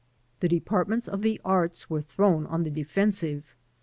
The departments of the arts were thrown on the defensive.